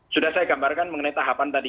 sudah saya gambarkan mengenai tahapan tadi